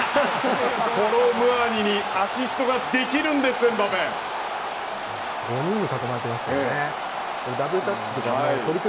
コロムアニにアシストができるんですエムバペ。